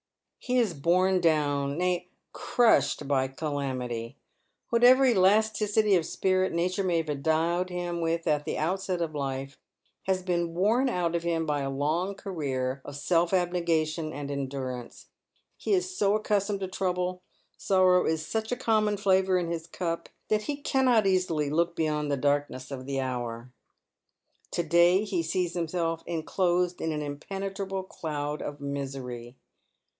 He is born© down, nay, crushed, by calamity. Whatever elasticity of spirit Nature may have endowed him with at the outset of life has been worn out of him by a long career of self abnegation and endurance. He is so accustomed to trouble, soitow is such a common flavoua in his cup, that he cannot easily look beyond the darkness of the hour. To day he sees himself enclosed in an impenetrable cloud of misery.